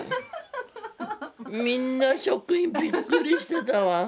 みんな職員びっくりしてたわ。